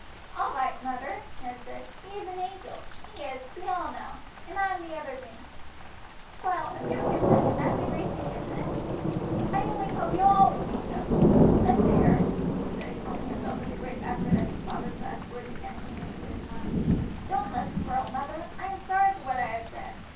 "All right, mother," Ned said. "He is an angel, he is, we all know, and I am the other thing. Well, if you are contented, that's the great thing, isn't it? I only hope you will always be so; but there," he said, calming himself with a great effort as his father's last words again came into his mind, "don't let's quarrel, mother. I am sorry for what I have said.